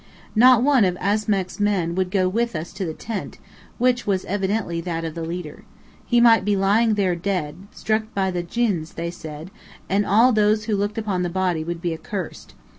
Not one of Asmack's men would go with us to the tent, which was evidently that of the leader. He might be lying there dead, struck by the djinns, they said, and all those who looked upon the body would be accursed.